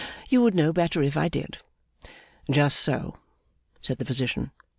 You would know better, if I did!' 'Just so,' said Physician.